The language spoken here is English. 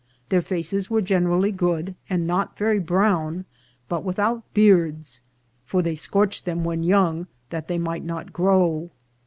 Their Faces were generally good, and not very brown, but without Beards, for they scorched them when young, that they might not grow.